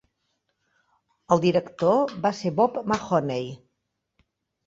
El director va ser Bob Mahoney.